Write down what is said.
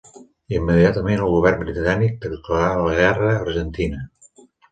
Immediatament el govern britànic declarà la guerra a l'Argentina.